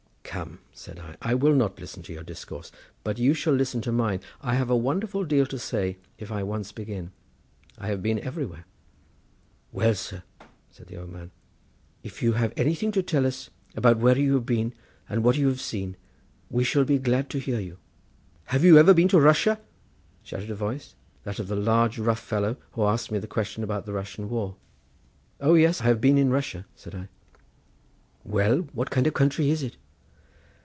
"Come," said I, "I will not listen to your discourse, but you shall listen to mine. I have a wonderful deal to say if I once begin; I have been everywhere." "Well, sir," said the old man, "if you have anything to tell us about where you have been and what you have seen we shall be glad to hear you." "Have you ever been in Russia?" shouted a voice, that of the large rough fellow who asked me the question about the Russian war. "O yes, I have been in Russia," said I. "Well, what kind of a country is it?"